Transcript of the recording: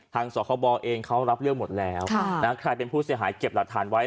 สคบเองเขารับเรื่องหมดแล้วใครเป็นผู้เสียหายเก็บหลักฐานไว้